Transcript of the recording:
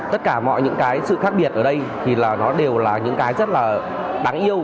tất cả mọi những cái sự khác biệt ở đây thì là nó đều là những cái rất là đáng yêu